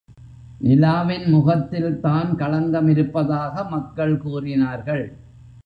நிலாவின் முகத்தில்தான் களங்கம் இருப்பதாக மக்கள் கூறினார்கள்.